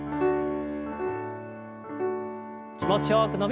気持ちよく伸びをして。